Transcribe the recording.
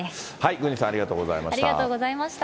郡司さんありがとうございました。